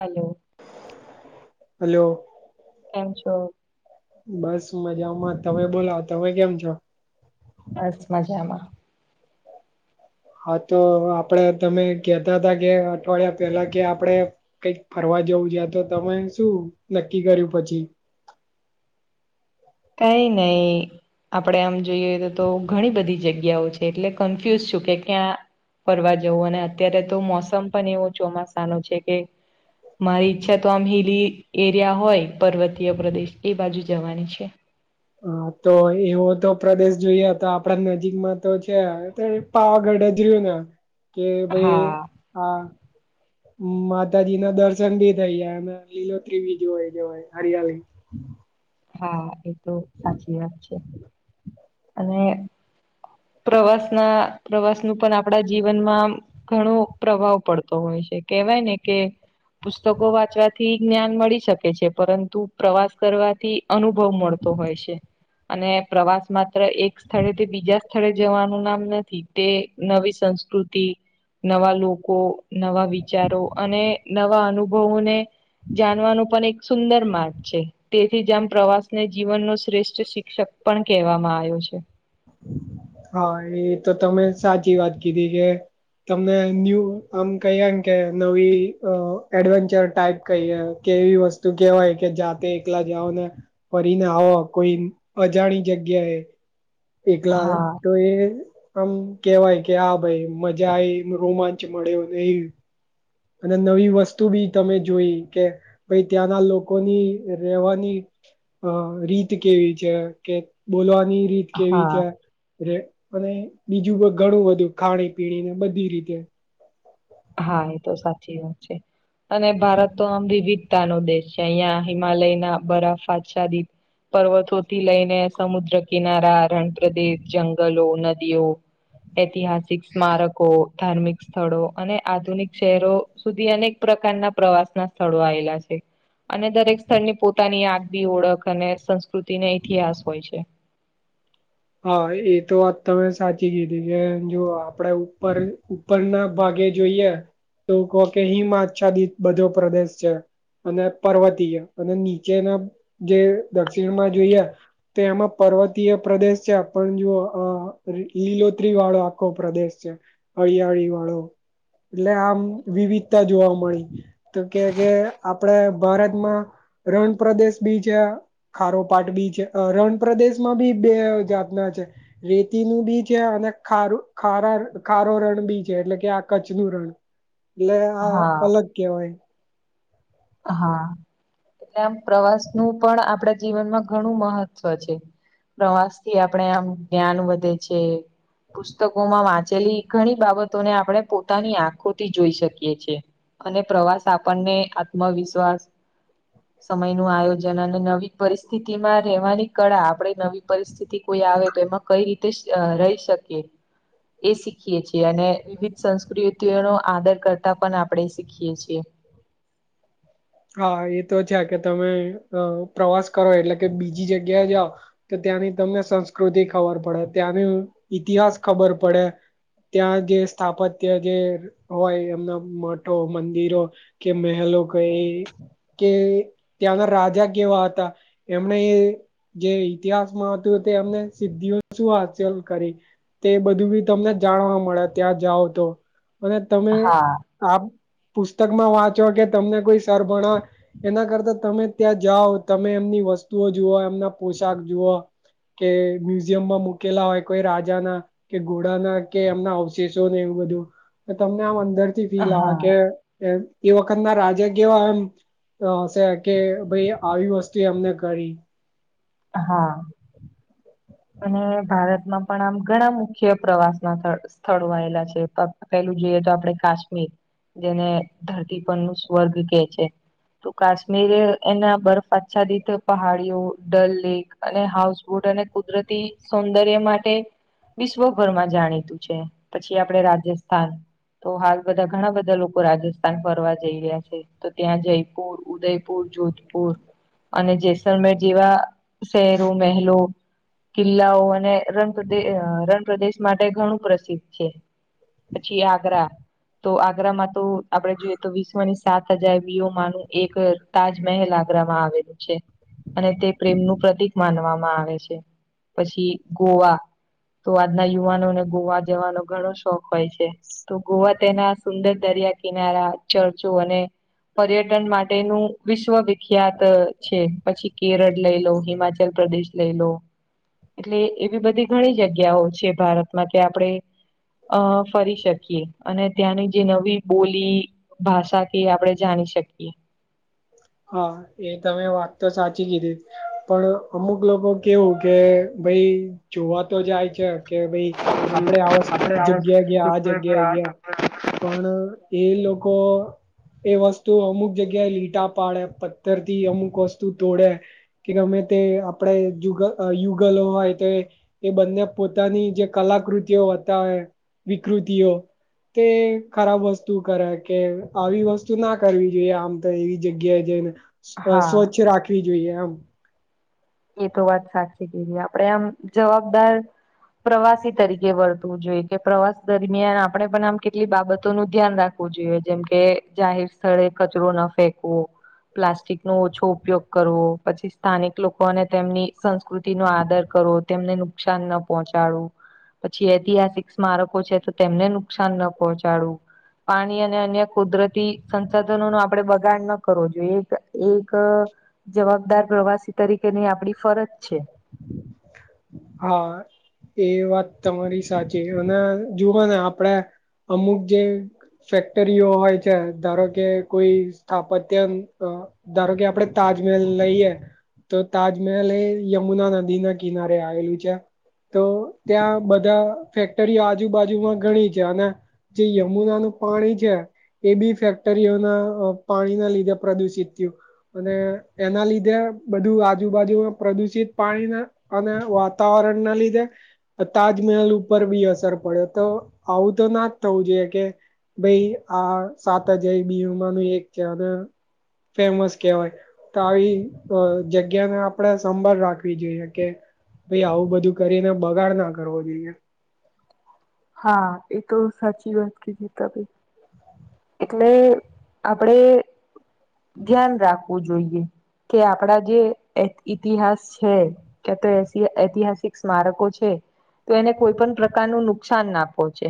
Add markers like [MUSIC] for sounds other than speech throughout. Hello hello તેમ છો. બસ મજામાં તમે બોલા તમે કેમ છો? બસ મજામાં. હા, તો આપડે તમે કેતાતા કે અઠવાડિયા પેલા કે આપડે કઈક ફરવા જવું છે તો તમે શું નક્કી કર્યું પછી કઈ નહી, આપડે આમ જોઈએ તો તો ઘણી બધી જગ્યાઓ છે, એટલે કન્ફ્યુઝ છું કે ક્યાં ફરવા જવું અને અત્યારે તો મોસમ પણ એવું ચોમાસા ન છે, કે મારી ઈચ્છા તો આમ હિલી એરિયા હોય પર્વતીય પ્રદેશ એ બાજુ જવાની છે. હા તો એવો તો પ્રદેશ જોઈએ તો આપડા નજીકમાં તો છે. પાગઢ હજર્યું ને કે ભાઈ હા હા માતાજી ના દર્શન ભી થઇ જાય અને લીલોત્રી બી જોવાય જવાય હરિયા આવે હા એ તો સાચી વાત છે. અને પ્રવાસના પ્રવાસ નું પણ આપણા જીવનમાં ઘણો પ્રભાવ પડતો હોય છે. કેવાય ને કે- પુસ્તકો વાંચવાથી જ્ઞાન મળી શકે છે પરંતુ પ્રવાસ કરવાથી અનુભવ મળતો હોય છે. અને પ્રવાસમાં એક સ્થળેથી બીજા સ્થળે જવાનું નામ નથી. તે નવી સંસ્કૃતિ નવા લોકો, નવા વિચારો અને નવા અનુભવોને જાણવાનું પણ એક સુંદર માર્ગ છે. તેથી જ આમ પ્રવાસને જીવનનો શ્રેષ્ઠ શિક્ષક પણ કહેવામાં આયો છે. હા, એ તો તમે સાચી વાત કીધી કે તમને ન્યૂ આમ કહીએમ કે નવી એડવેન્ચર ટાઈપ કહીએ. કે એવી વસ્તુ કેહેવાય કે જાતે એકલા જાઓને ફરીને આવો કોઈ અજાણી જગ્યાએ એકલા હા તો એ આમ કેવાય કે હા ભાઈ મજા આઈ રોમાંચ મળ્યોને એ. અને નવી વસ્તુ બી તમે જોઈ કે ભાઈ ત્યાંના લોકોની રહેવાની. અ રીત કેવી છે કે બોલવાની રીત. કેવી હા ચા અને બીજું પણ ઘણું બધું ખાણી પીણી ને બધી રીતે. હા, એ તો સાચી વાત છે. અને ભારત તો આમ વિવિધતાનો દેશ છે અહિયાં હિમાલયના બરા ફારસાદી. પર્વતોથી લઈને સમુદ્ર કિનારા, રણપ્રદેશ, જંગલો, નદીઓ ઐતિહાસિક સ્મારકો, ધાર્મિક સ્થળો અને આધુનિક શહેરો સુધી અનેક પ્રકારના પ્રવાસના સ્થળો આયેલા છે. અને દરેક સ્થળની પોતાની આગવી ઓળખ અને સંસ્કૃતિને ઇતિહાસ હોય છે. હા, એ તો વાત તમે સાચી કીધી કે જો આપડે ઉપર પર ના ભાગે જોઈએ તો કો કે હિમ આચ્છાદિત બધો પ્રદેશ છે. અને પર્વતીય અને નીચેના જે દક્ષિણમાં જોયા. તો એમાં પર્વતીય પ્રદેશ છે પણ જુઓ અ લીલોત્રી વાળો આખો પ્રદેશ છે. હળિયાળી વાળો એટલે આમ વિવિધતા જોવા મળી. તો કે કે આપડે ભારતમાં રણપ્રદેશ બી છે. ખારો પાટ બી છે અ રણપ્રદેશમાં બી બે અ જાતના છે. રેતીનું બી છે અને ખારું ખારા ખારો રણ બી છે એટલે કે આ કચ્છનું રણ. [INAUDIBLE] એટલે આ હા અલગ કેહવાય. હા, એટલે આમ પ્રવાસનું પણ આપડા જીવનમાં ઘણું મહત્ત્વ છે. પ્રવાસથી આપણે આમ જ્ઞાન વધે છે. પુસ્તકોમાં વાંચેલી ઘણી બાબતોને આપણે પોતાની આંખોથી જોઈ શકીએ છે. અને પ્રવાસ આપણને આત્મવિશ્વાસ. સમયનું આયોજન અને નવી પરિસ્થિતિમાં રેહવાની કળા આપણે નવી પરિસ્થિતિ કોઈ આવે તો એમાં કઈ રીતેસ અ રય શકીએ. એ શીખીએ છીએ અને વિવિધ સંસ્કૃતિઓનો આદર કરતા પણ આપણે શીખીએ છીએ. હા, એ તો છે કે તમે અ પ્રવાસ કરો એટલે કે બીજી જગ્યાએ જાવ. તો ત્યાંની તમને સંસ્કૃતિ ખબર પડે ત્યાંની ઈતિહાસ ખબર પડે. ત્યાં જે સ્થાપત્ય જે હોય એમના મઠો, મંદિરો. કે મેહેલો કઈ કે ત્યાંના રાજા કેવા હતા એમને એ જે ઇતિહાસમાં હતું તે અમને સિદ્ધિઓ શું હાસલ કરી. તે બધું બી તમને જાણવા મળે ત્યાં જાઓ તો. અને તમે હા આ પુસ્તકમાં વાંચો કે તમને કોઈ સર ભણાવે એના કરતા તમે ત્યાં જાઓ તમે એમની વસ્તુઓ જુઓ એમના પોશાક જુઓ. કે મ્યુઝિયમ માં મૂકેલા હોય કોઈ રાજા ના. કે ઘોડાના કે એમના અવશેષોને એવું બધું તમને આમ અંદર. ી હા કે એ વખત ના રાજા. કેવા એમશે કે ભાઈ આવી વસ્તુ એમને કરી. હા. અને ભારતમાં પણ આમ ઘણા મુખ્ય પ્રવાસ ના સ્થળ. સ્થળો આવેલા છે પેલું જોઈએ તો આપડણે કાશ્મીર. જેને ધરતી પર નું સ્વર્ગ કે છે. તો કાશ્મીરે એના બરફ આચ્છાદીિત પહાડીઓ ડલ લેક. અને હાઉસબોટ અને કુદરતી સૌંદર્ય માટે. વિશ્વભરમાં જાણીતું છે પછી આપડે રાજસ્થાન. તો હાલ બધા ઘણા બધા લોકો રાજસ્થાન ફરવા જઈ રહ્યા છે. તો ત્યાં જયપુર ઉદયપુર જોધપુર. અને જેસલમેર જેવા શહેરો મહેલો. કિલ્લાઓ અને રણપદેશ રણ પ્રદેશ માટે ઘણું પ્રસિદ્ધ છે. પછી આગ્રા. તો આગ્રામાં તો આપડે જોઈએ તો વિશ્વની સાત હજાર વી માનું એક. તાજમહેલ આગ્રમાં આવેલું છે અને તે પ્રેમ નું પ્રતિક માનવામાં આવે છે. પછી ગોવા તો આજના યુવાનોને ગોવા જવાનો ઘણો શોખ હોય છે. તો ગોવા તેના સુંદર દરિયા કિનારા ચર્ચો અને. પર્યટન માટેનું વિશ્વ વિિખ્યાત છે પછી કેરળ લઈ લો હિમાચલ પ્રદેશ. લઈ લો. એટલે એવી બધી ઘણી જગ્યાઓ છે ભારતમાં કે આપડણે. અ ફરી શકીએ અને ત્યાંની જે નવી બોલી. ભાષાથી આપણે જાણી શકીએ. હા એ તમે વાત તો સાચી કીધી. પણ અમુક લોકો કેવું કે ભાઈ જોવા તો જાય છે કે ભાઈ. આપડે આવા આપડે આ જગ્યા ગયા આ જગ્યા કે ગયા. આ જગ્યા પણ એ લોકો એ વસ્તુ અમુક જગ્યાએ લીટા. પાડે પથ્થર થી અમુક વસ્તુ તોડે. કે ગમે તે આપણેુગ યુગલો હોય તો. એ બંને પોતાની જે કલાકૃતિઓ હતા વિકૃતિઓ. તે ખરાબ વસ્તુ કરે કે આવી વસ્તુ ના કરવી જોઈએ આમ તો એવી. જગ્યાએ જઈને હા સ્વચ્છ રાખવી જોઈએ આમ. એ તો વાત સાચી કેધ આપણેે આમ જવાબદાર. પ્રવાસી તરીકે વર્તવું જોઈએ કે પ્રવાસ દરમિયાન આપણે પણ આમ કેટલી બાબતો નું ધ્યાન રાખ. જોઈએ જેમકે જાહેર સ્થળે કચરો ના ફેકવો. પ્લાસ્ટિક નો ઓછો ઉપયોગ કરવો પછી સ્થાનિક લોકો. ને તેમની સંસ્કૃતિ નો આદર કરવો તેમને નુકસાન ન પહોંચાડવું. પછી ઐતિહાસિક સ્મારકો છે તો તેમને નુકસાન ન પહોંચાડવું. પાણી અને અન્ય કુદરતી સંસાધનો ન આપણે બગાડ ન કરવો જોઈએ એ એક જવાબદાર પ્રવાસી તરીકેની આપણી ફરજ છે. હા. એ વાત તમારી સાચી અને જુઓ ને આપડે અમુક જે. ફેક્ટરીઓ હોય છે ધારો કે કોઈ સ્થાપત્ય. ધારો કે આપડે તાજમહેલ લઈએ. તો તાજમહેલ એ યમુના નદી ના કિનારે આવેલું છે. તો ત્યાં બધા ફેક્ટરીઓ આજુબાજુમાં ઘણી છે અને. જે યમુના નું પાણી છે. એ બી ફેક્ટરીઓના પાણીના લીધે પ્રદુષિત થયું. અને એના લીધે બધું. આજુબાજુમાં પ્રદુષિત પાણીના અને વાતાવરણ ના લીધે તાજમહેલ ઉપર બી અસર પડ્યો તો આવું તો ના જ થવું જોઈએ કે ભાઈ આ સાત હ જાય બીમા ન એક છે અને ફેમસ કહેવાય તો આવી જગ્યાને આપણેે સંભાળ રાખવી જોઈએ કે ભાઈ આવું બધું કરીને બગાડ ના કરવો જોઈએ હા એ તો સાચી વાત કે છે ત ભાઈ એટલે આપડે ધ્યાન રાખવું જોઈએ કે આપડા જે ઇતિહાસ છે ક તો ઐતિહાસિક સ્મારકો છે તો એને કોઈ પણ પ્રકારનું નુકસાન ના પહોંચે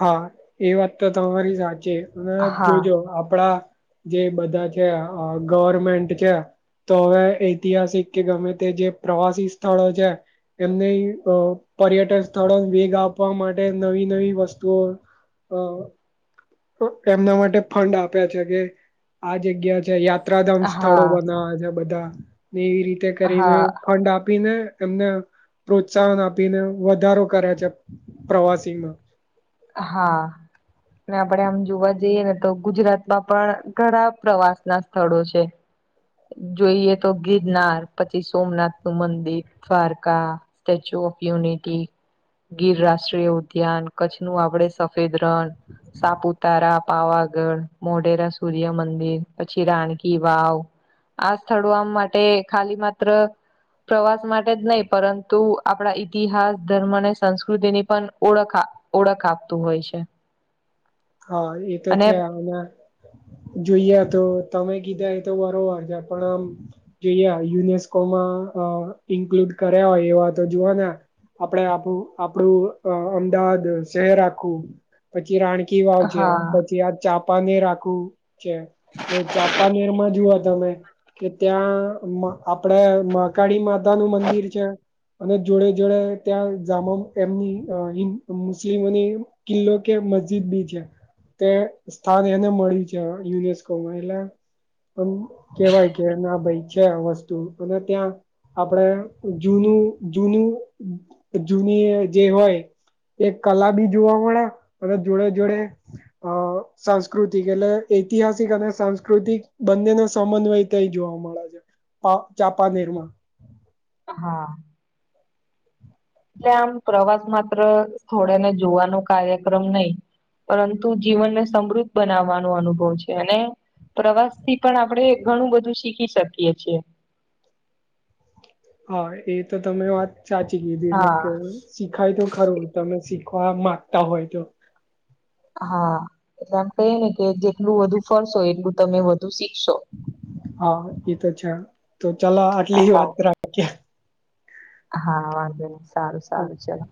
હા એ વાત તો તમારી સાચી ત હા જોજો આપડા જે બધા છે ગવર્મેન્ટ છે તો હવે ઐતિહાસિક કે ગમે તે જે પ્રવાસી સ્થળો છે. એમને અ પર્યટન સ્થળો વેગ આપવા માટે નવી નવી વસ્તુ તો અ એમના માટે ફંડ આપ્યા છે કે આ જગ્યા છેયા ત્રાધામ હા સ્થળો બનાવા છે બધા ને એવી રીતે કરીને હા ફંડ આપીને એમને પ્રોત્સાહન આપીને વધારો કર્યા છે પ્રવાસીમાં. હા. આપડે આમ જોવા જઈએ ને તો ગુજરાતમાં પણ ઘણા પ્રવાસ ના સ્થળો છે. જોઈએ તો ગિરનાર પછી સોમનાથ નું મંદિર Dwarka Statue of Unity Gir રાષ્ટ્રીય ઉદ્યાન કચ્છ ન આપડ સફેદ રણ સાપુતારા પાવાગઢ મોઢેરા સૂર્ય મંદિર પછી રાણકી વાવ આ સ્થળો આમ માટે ખાલી માત્ર પ્રવાસ માટે જ નહી પરંતુ આપણા ઈતિહાસ ધર્મ અને સંસ્કૃતિની પણ ઓળખા ઓળખ આપતું હોય છે. હા એ તો છે અને જોઈએ તો તમે કીધા એ તો બરોબર છે પણ આમ જોઈયા યુનેસ્કોમાં ઇન્ક્લુડ કર્યા હોય એવા તો જોવા આપણે આ આપડું અ અમદાવાદ શહેર આખું પછી રાણી કવા છે હા પછી આ ચાપાનેર આખુ છે. તો ચાપાનેર માં જુઓ તમે કે ત્યાં આપડે મહકાળીમાં [INAUDIBLE] પોતા નું મંદિર છે. અને જોડે જોડે ત્યાં જામ એમની મુસ્લિમોની [UNINTELLIGIBLE] કિલ્લો કે મજ તે સ્થાન એને મળ્યું છે યુનેસ્કોમાં એટલે. કેવાય કે ના ભાઈ છે આ વસ્તુ અને ત્યાં આપડ જૂનું જૂનું જૂની જે હોય એક કલા બી જોવા મળે અને જોડે જોડે અ સાંસ્કૃતિક એટલે ઐતિહાસિક અને સાંસ્કૃતિક બંનેને સમન્વય થય જોવા મળે છે. પા ચાપા નિર્માણ હા. - એટલે આમ પ્રવાસ માત્ર થોડેને જોવાનો કાર્યક્રમ નહીિ પરંતુ જીવનને સમૃદ્ધ બનાવવાનો અનુભવ છે અને પ્રવાસ થી પણ આપણેે ઘણું બધું શીખી શકીએ છીએ. હા એ તો તમે વાત સાચી કીધી છે હા કે શીખાય તો ખરું તમે શીખવા માંગતા હોય તો. હા એટલે આમ કહી ને કે જેટલું વધુ ફરશો એટલું તમે વધ દ શિક્ શો [INAUDIBLE] હા એ તો છે તો ચાલો હા આટલી વાત હા કર્યા. હા વાંધો નહી સારું સારું ચલો